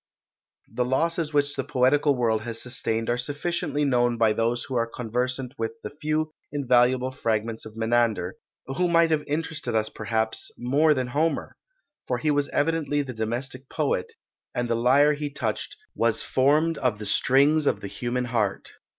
The losses which the poetical world has sustained are sufficiently known by those who are conversant with the few invaluable fragments of Menander, who might have interested us perhaps more than Homer: for he was evidently the domestic poet, and the lyre he touched was formed of the strings of the human heart.